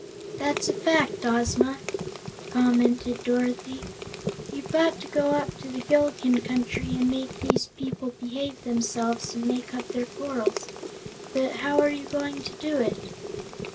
"That's a fact, Ozma," commented Dorothy. "You've got to go up to the Gillikin Country and make these people behave themselves and make up their quarrels. But how are you going to do it?"